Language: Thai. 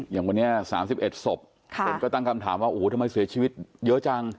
อย่างวันนี้๓๑ศพคนก็ตั้งคำถามว่าโอ้โหทำไมเสียชีวิตเยอะจัง